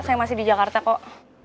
saya masih di jakarta kok